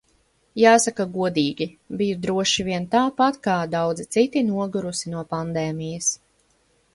Jāsaka godīgi, biju – droši vien tāpat kā daudzi citi – nogurusi no pandēmijas.